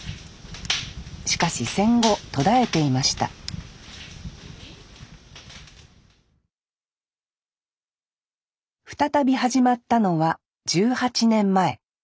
しかし戦後途絶えていました再び始まったのは１８年前。